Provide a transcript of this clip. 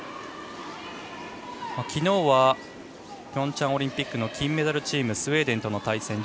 昨日はピョンチャンオリンピック金メダルチームスウェーデンとの対戦。